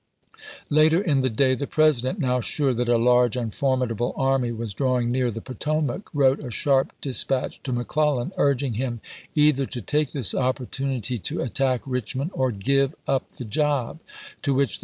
Later in the day, the President, now sure that a large and formidable army was drawing near the Potomac, wrote a sharp dispatch to McClellan urging him either to take this opportunity to " at tack Richmond or give up the job"; to which the ibid, p.